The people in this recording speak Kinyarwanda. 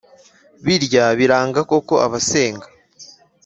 birya biranga koko abasenga